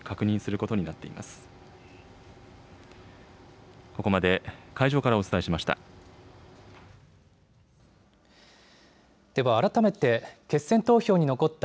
ここまで会場からお伝えしました。